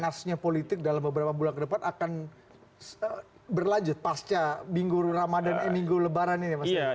maksudnya lebaran politik dalam beberapa bulan kedepan akan berlanjut pasca minggu ramadhan dan minggu lebaran ini ya mas